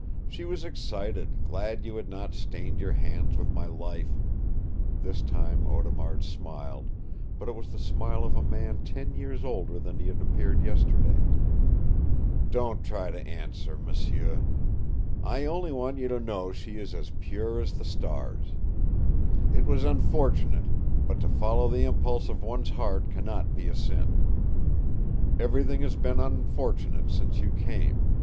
She was excited, glad you had not stained your hands with my life " This time Audemard smiled, but it was the smile of a man ten years older than he had appeared yesterday. "Don't try to answer, m'sieu. I only want you to know she is as pure as the stars. It was unfortunate, but to follow the impulse of one's heart can not be a sin. Everything has been unfortunate since you came.